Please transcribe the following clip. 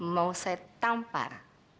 mau saya tampar